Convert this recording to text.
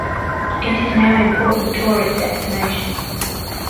It is now an important tourist destination.